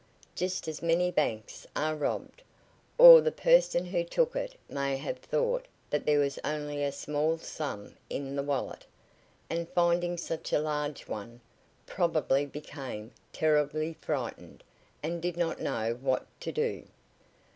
Just as many banks are robbed. Or the person who took it may have thought there was only a small sum in the wallet, and finding such a large one, probably became terribly frightened, and did not know what to do."